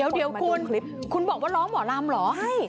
เดี๋ยวคุณคุณบอกว่าร้องหมอลำเหรอให้